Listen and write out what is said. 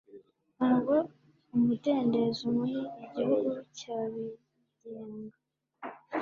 ntabwo umudendezo muri igihugu cyabigenga